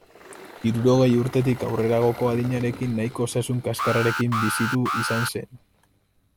Hirurogei urtetik aurreragoko adinarekin nahiko osasun kaskarrarekin bizitu izan zen.